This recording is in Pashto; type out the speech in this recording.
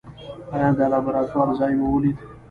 ایا د لابراتوار ځای مو ولید؟